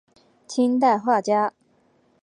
清代画家。